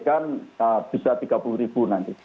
kan bisa tiga puluh ribu nanti